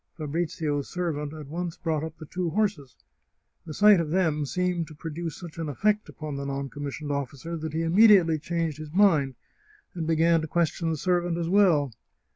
Fabrizio's servant at once brought up the two horses. The sight of them seemed to produce such an effect upon the noncommissioned officer that he immediately changed his mind, and began to ques tion the servant as well.